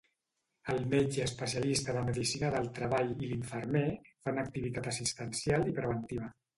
El metge especialista de medicina del treball i l'infermer fan activitat assistencial i preventiva.